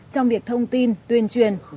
trong việc thông tin tuyên truyền